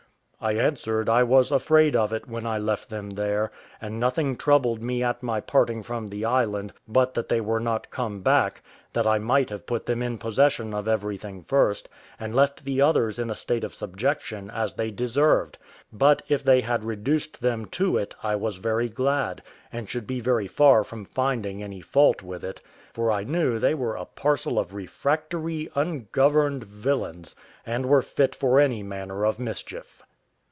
I answered I was afraid of it when I left them there, and nothing troubled me at my parting from the island but that they were not come back, that I might have put them in possession of everything first, and left the others in a state of subjection, as they deserved; but if they had reduced them to it I was very glad, and should be very far from finding any fault with it; for I knew they were a parcel of refractory, ungoverned villains, and were fit for any manner of mischief.